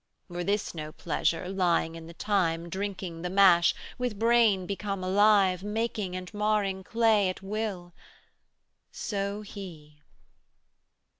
Were this no pleasure, lying in the thyme, 95 Drinking the mash, with brain become alive, Making and marring clay at will? So He.